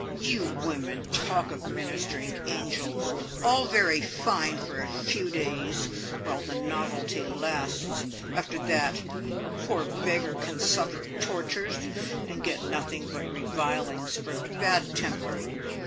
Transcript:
"You women! Talk of ministering angels all very fine for a few days, while the novelty lasts after that a poor beggar can suffer tortures, and get nothing but revilings for bad temper.